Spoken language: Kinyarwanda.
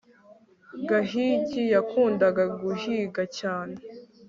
gahigi yakundaga guhiga cyane